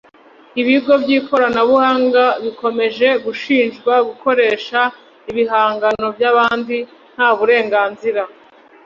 Ibigo by’ikoranabuhanga bikomeje gushinjwa gukoresha ibihangano by’abandi nta burenganzira